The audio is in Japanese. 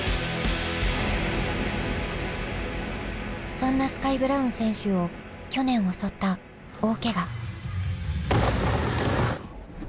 そんなスカイ・ブラウン選手を去年襲った大けが。